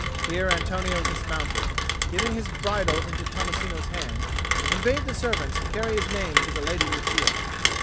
Here Antonio dismounted, giving his bridle into Tommasino's hand, and bade the servants carry his name to the Lady Lucia.